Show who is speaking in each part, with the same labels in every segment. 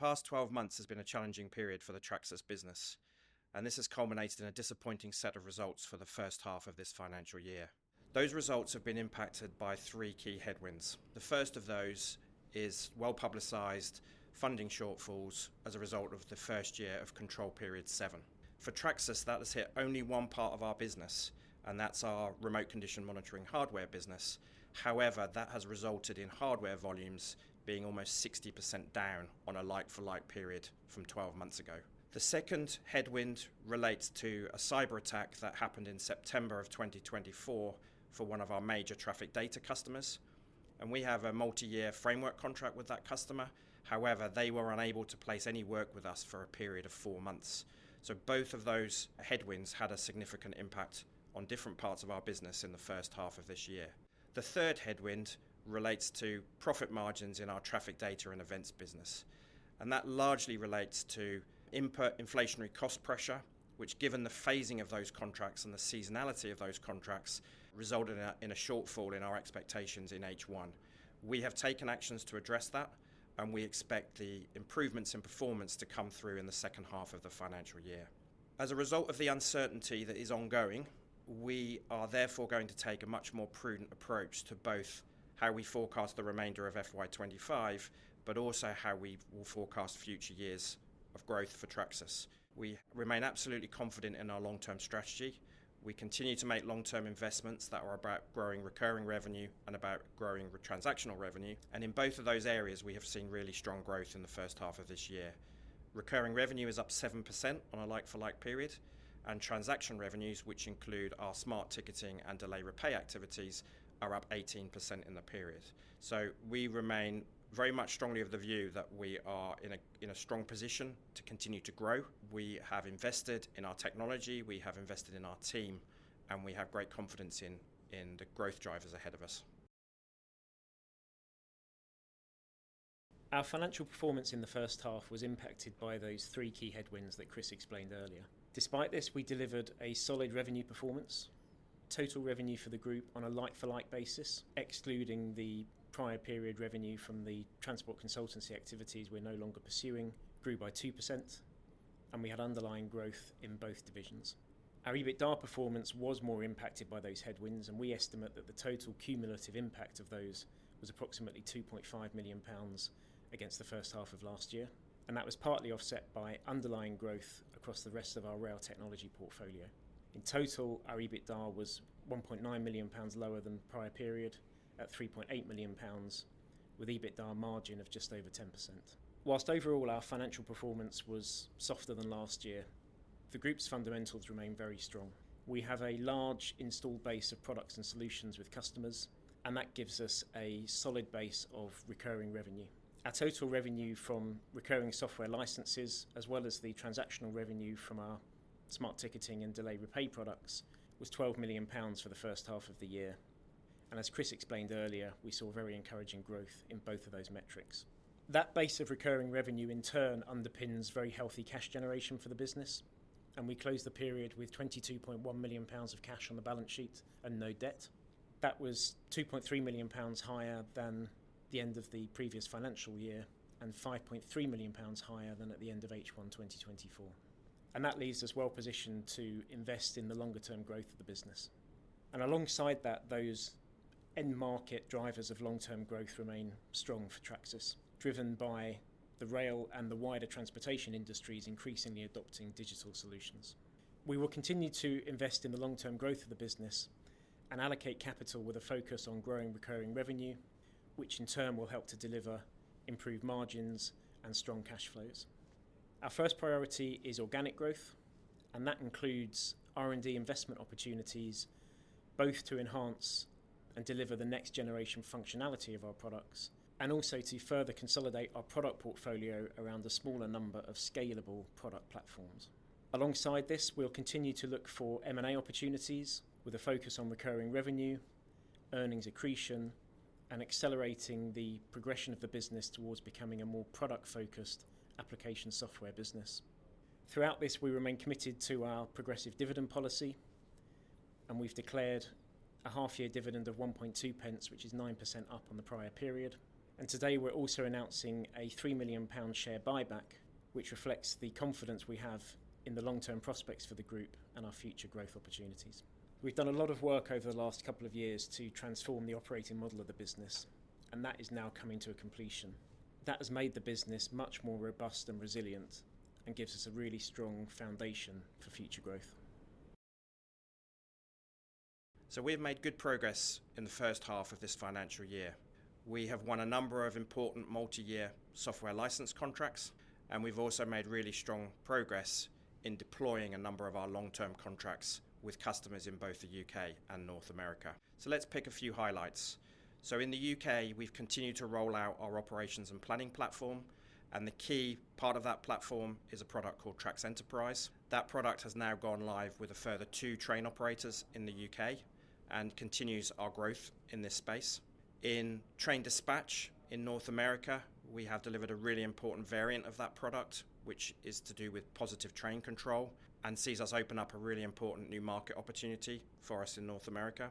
Speaker 1: The past 12 months has been a challenging period for the Tracsis business, and this has culminated in a disappointing set of results for the first half of this financial year. Those results have been impacted by three key headwinds. The first of those is well-publicized funding shortfalls as a result of the first year of Control Period Seven. For Tracsis, that has hit only one part of our business, and that's our Remote Condition Monitoring hardware business. However, that has resulted in hardware volumes being almost 60% down on a like-for-like period from 12 months ago. The second headwind relates to a cyber attack that happened in September of 2024 for one of our major traffic data customers, and we have a multi-year framework contract with that customer. However, they were unable to place any work with us for a period of four months. Both of those headwinds had a significant impact on different parts of our business in the first half of this year. The third headwind relates to profit margins in our traffic data and events business, and that largely relates to input inflationary cost pressure, which, given the phasing of those contracts and the seasonality of those contracts, resulted in a shortfall in our expectations in H1. We have taken actions to address that, and we expect the improvements in performance to come through in the second half of the financial year. As a result of the uncertainty that is ongoing, we are therefore going to take a much more prudent approach to both how we forecast the remainder of FY25, but also how we will forecast future years of growth for Tracsis. We remain absolutely confident in our long-term strategy. We continue to make long-term investments that are about growing recurring revenue and about growing transactional revenue. In both of those areas, we have seen really strong growth in the first half of this year. Recurring revenue is up 7% on a like-for-like period, and transaction revenues, which include our smart ticketing and Delay Repay activities, are up 18% in the period. We remain very much strongly of the view that we are in a strong position to continue to grow. We have invested in our technology, we have invested in our team, and we have great confidence in the growth drivers ahead of us.
Speaker 2: Our financial performance in the first half was impacted by those three key headwinds that Chris explained earlier. Despite this, we delivered a solid revenue performance. Total revenue for the group on a like-for-like basis, excluding the prior period revenue from the transport consultancy activities we are no longer pursuing, grew by 2%, and we had underlying growth in both divisions. Our EBITDA performance was more impacted by those headwinds, and we estimate that the total cumulative impact of those was approximately 2.5 million pounds against the first half of last year, and that was partly offset by underlying growth across the rest of our rail technology portfolio. In total, our EBITDA was 1.9 million pounds lower than prior period at 3.8 million pounds, with EBITDA margin of just over 10%. Whilst overall our financial performance was softer than last year, the group's fundamentals remain very strong. We have a large installed base of products and solutions with customers, and that gives us a solid base of recurring revenue. Our total revenue from recurring software licenses, as well as the transactional revenue from our smart ticketing and Delay Repay products, was 12 million pounds for the first half of the year. As Chris explained earlier, we saw very encouraging growth in both of those metrics. That base of recurring revenue, in turn, underpins very healthy cash generation for the business, and we closed the period with 22.1 million pounds of cash on the balance sheet and no debt. That was 2.3 million pounds higher than the end of the previous financial year and 5.3 million pounds higher than at the end of H1 2024. That leaves us well positioned to invest in the longer-term growth of the business. Alongside that, those end-market drivers of long-term growth remain strong for Tracsis, driven by the rail and the wider transportation industries increasingly adopting digital solutions. We will continue to invest in the long-term growth of the business and allocate capital with a focus on growing recurring revenue, which in turn will help to deliver improved margins and strong cash flows. Our first priority is organic growth, and that includes R&D investment opportunities, both to enhance and deliver the next-generation functionality of our products, and also to further consolidate our product portfolio around a smaller number of scalable product platforms. Alongside this, we'll continue to look for M&A opportunities with a focus on recurring revenue, earnings accretion, and accelerating the progression of the business towards becoming a more product-focused application software business. Throughout this, we remain committed to our progressive dividend policy, and we have declared a half-year dividend of 1.2 pence, which is 9% up on the prior period. Today, we are also announcing a 3 million pound share buyback, which reflects the confidence we have in the long-term prospects for the group and our future growth opportunities. We have done a lot of work over the last couple of years to transform the operating model of the business, and that is now coming to a completion. That has made the business much more robust and resilient and gives us a really strong foundation for future growth.
Speaker 1: We have made good progress in the first half of this financial year. We have won a number of important multi-year software license contracts, and we have also made really strong progress in deploying a number of our long-term contracts with customers in both the U.K. and North America. Let's pick a few highlights. In the U.K., we have continued to roll out our operations and planning platform, and the key part of that platform is a product called Tracsis Enterprise. That product has now gone live with a further two train operators in the U.K. and continues our growth in this space. In train dispatch in North America, we have delivered a really important variant of that product, which is to do with Positive Train Control and sees us open up a really important new market opportunity for us in North America.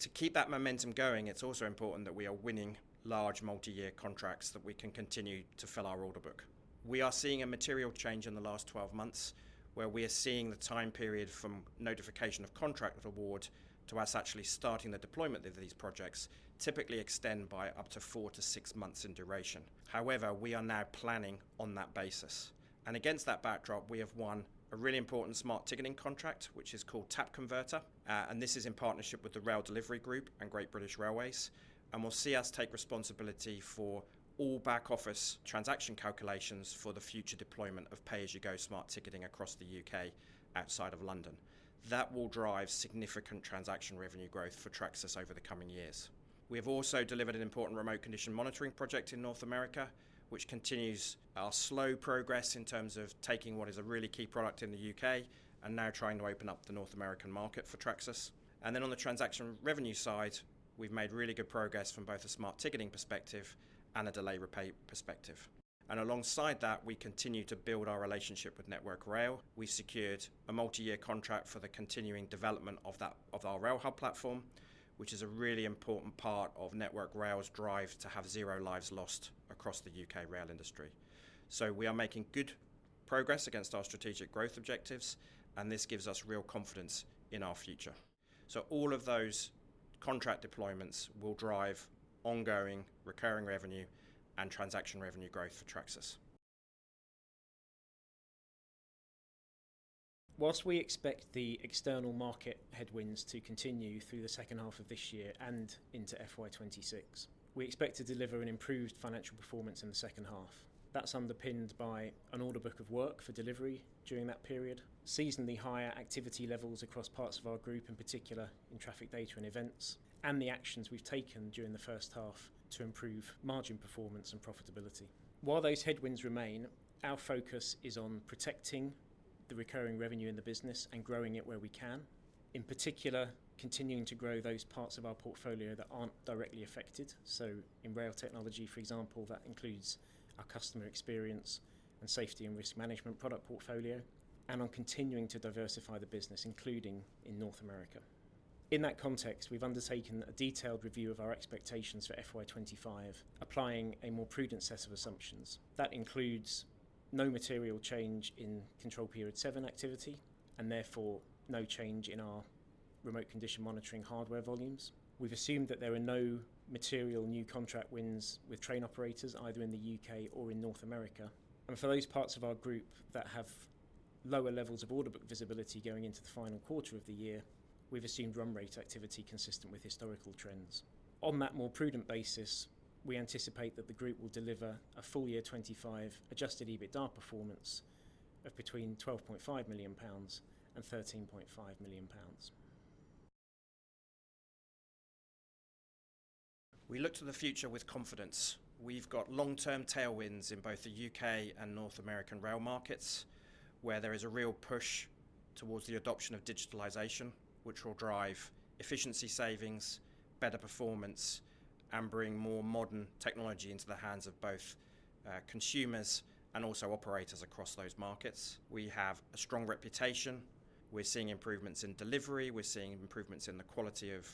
Speaker 1: To keep that momentum going, it's also important that we are winning large multi-year contracts that we can continue to fill our order book. We are seeing a material change in the last 12 months, where we are seeing the time period from notification of contract award to us actually starting the deployment of these projects typically extend by up to four to six months in duration. However, we are now planning on that basis. Against that backdrop, we have won a really important smart ticketing contract, which is called Tap Converter, and this is in partnership with the Rail Delivery Group and Great British Railways. This will see us take responsibility for all back-office transaction calculations for the future deployment of pay-as-you-go smart ticketing across the U.K. outside of London. That will drive significant transaction revenue growth for Tracsis over the coming years. We have also delivered an important Remote Condition Monitoring project in North America, which continues our slow progress in terms of taking what is a really key product in the U.K. and now trying to open up the North America market for Tracsis. On the transactional revenue side, we've made really good progress from both a Smart Ticketing perspective and a Delay Repay perspective. Alongside that, we continue to build our relationship with Network Rail. We secured a multi-year contract for the continuing development of our RailHub platform, which is a really important part of Network Rail's drive to have zero lives lost across the U.K. rail industry. We are making good progress against our strategic growth objectives, and this gives us real confidence in our future. All of those contract deployments will drive ongoing recurring revenue and transactional revenue growth for Tracsis.
Speaker 2: Whilst we expect the external market headwinds to continue through the second half of this year and into FY2026, we expect to deliver an improved financial performance in the second half. That is underpinned by an order book of work for delivery during that period, seasonally higher activity levels across parts of our group, in particular in traffic data and events, and the actions we have taken during the first half to improve margin performance and profitability. While those headwinds remain, our focus is on protecting the recurring revenue in the business and growing it where we can, in particular continuing to grow those parts of our portfolio that are not directly affected. In rail technology, for example, that includes our customer experience and safety and risk management product portfolio, and on continuing to diversify the business, including in North America. In that context, we've undertaken a detailed review of our expectations for FY2025, applying a more prudent set of assumptions. That includes no material change in Control Period Seven activity and therefore no change in our Remote Condition Monitoring Hardware volumes. We've assumed that there are no material new contract wins with train operators, either in the U.K. or in North America. For those parts of our group that have lower levels of order book visibility going into the final quarter of the year, we've assumed run rate activity consistent with historical trends. On that more prudent basis, we anticipate that the group will deliver a full year 2025 adjusted EBITDA performance of between 12.5 million pounds and 13.5 million pounds.
Speaker 1: We look to the future with confidence. We've got long-term tailwinds in both the U.K. and North American rail markets, where there is a real push towards the adoption of digitalization, which will drive efficiency savings, better performance, and bring more modern technology into the hands of both consumers and also operators across those markets. We have a strong reputation. We're seeing improvements in delivery. We're seeing improvements in the quality of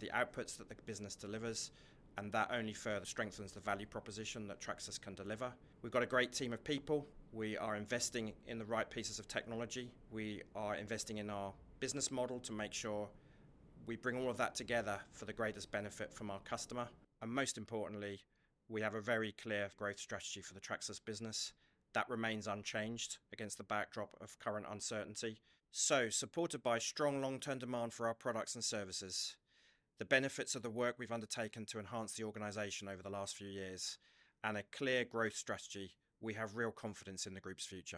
Speaker 1: the outputs that the business delivers, and that only further strengthens the value proposition that Tracsis can deliver. We've got a great team of people. We are investing in the right pieces of technology. We are investing in our business model to make sure we bring all of that together for the greatest benefit from our customer. Most importantly, we have a very clear growth strategy for the Tracsis business that remains unchanged against the backdrop of current uncertainty. Supported by strong long-term demand for our products and services, the benefits of the work we've undertaken to enhance the organization over the last few years, and a clear growth strategy, we have real confidence in the group's future.